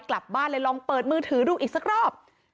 กลับบ้านเลยลองเปิดมือถือดูอีกสักรอบ